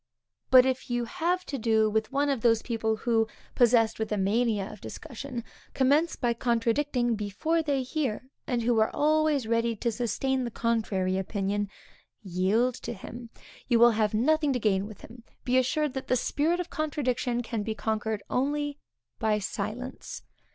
But if you have to do with one of those people who, possessed with a mania of discussion, commence by contradicting before they hear, and who are always ready to sustain the contrary opinion, yield to him; you will have nothing to gain with him. Be assured that the spirit of contradiction can be conquered only by silence.